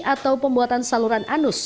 atau pembuatan saluran anus